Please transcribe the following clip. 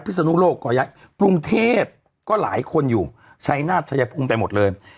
ภิษฎนุโลกก็ย้ายปรุงเทพก็หลายคนอยู่ชัยนาฏชัยพุงไปหมดเลย